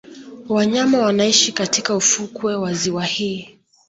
Wanyama wanaishi katika ufukwe wa ziwa hili